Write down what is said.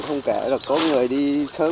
không kể là có người đi sớm